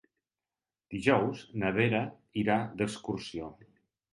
Dijous na Vera irà d'excursió.